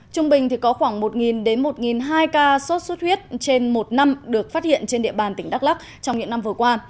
trung bình có khoảng một đến một hai ca sốt xuất huyết trên một năm được phát hiện trên địa bàn tỉnh đắk lắc trong những năm vừa qua